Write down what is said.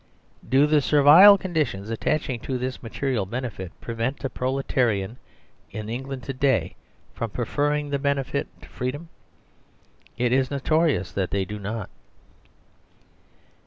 Do the Servile conditions attaching to this material benefit prevent a proletarian in Eng land to day from preferring the benefit to freedom ? It is notorious that they do not.